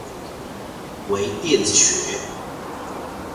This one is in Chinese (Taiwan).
微電子學